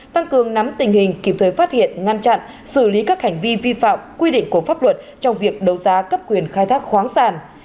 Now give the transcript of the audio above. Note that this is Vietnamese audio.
tăng cường nắm tình hình kịp thời phát hiện ngăn chặn xử lý các hành vi vi phạm quy định của pháp luật trong việc đấu giá cấp quyền khai thác khoáng sản